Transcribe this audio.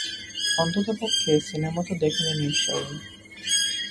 অন্ততপক্ষে সিনেমা তো দেখেনি নিশ্চয়ই।